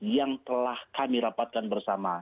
yang telah kami rapatkan bersama